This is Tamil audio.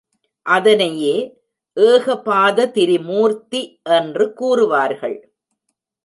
அதனையே ஏகபாத திரிமூர்த்தி என்று கூறுவார்கள்.